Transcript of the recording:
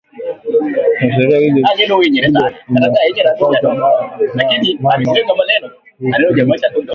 Akuna sheria ile ina kataza ba mama ku tumika